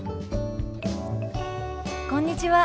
こんにちは。